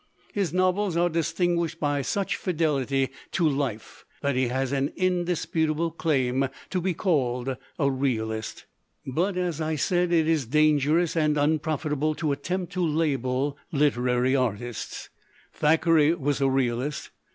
His novels are distinguished by such fidelity to life that he has an indisputable claim to be called a realist. 136 COMMERCIALIZING 4 'But, as I said, it is dangerous and unprofitable to attempt to label literary artists. Thackeray was a realist.